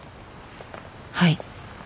はい。